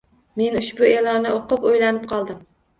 Men ushbu e`lonni o`qib, o`ylanib qoldim